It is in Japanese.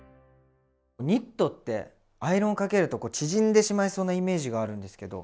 ニットってアイロンをかけるとこう縮んでしまいそうなイメージがあるんですけど。